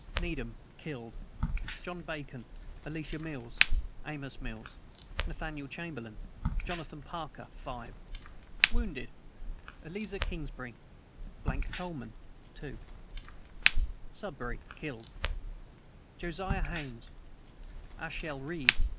NEEDHAM. Killed: John Bacon, Elisha Mills, Amos Mills, Nathaniel Chamberlain, Jonathan Parker, 5. Wounded: Eleazer Kingsbury, Tolman, 2. SUDBURY. Killed: Josiah Haynes, Asahel Reed, 2.